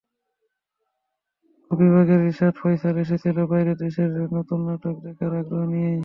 গোপীবাগের রিশাদ ফয়সাল এসেছিলেন বাইরের দেশের নতুন নাটক দেখার আগ্রহ নিয়েই।